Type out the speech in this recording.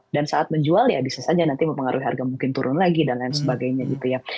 dan saat menjual ya bisa saja nanti mempengaruhi harga mungkin turun lagi dan lain sebagainya gitu ya